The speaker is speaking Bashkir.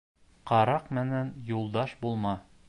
Ҡараҡ менән юлдаш булма